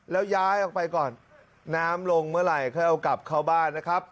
แล้วย้ายออกไปก่อนน้ำลงเมื่อไหร่ค่อยเอากลับเข้าบ้านนะครับ